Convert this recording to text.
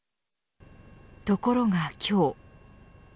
ところが今日。